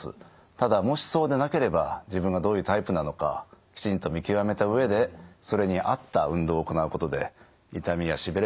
ただもしそうでなければ自分がどういうタイプなのかきちんと見極めた上でそれに合った運動を行うことで痛みやしびれが改善する場合もあります。